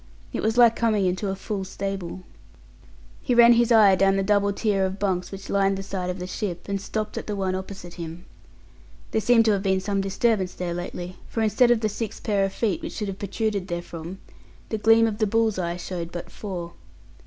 It was like coming into a full stable. He ran his eye down the double tier of bunks which lined the side of the ship, and stopped at the one opposite him. There seemed to have been some disturbance there lately, for instead of the six pair of feet which should have protruded therefrom, the gleam of the bull's eye showed but four.